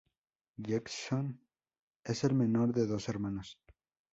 Jason es el menor de dos hermanos.